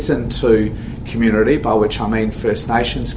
tentang cara yang lebih baik untuk mengerjakan